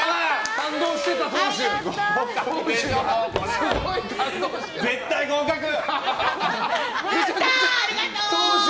感動してた、党首。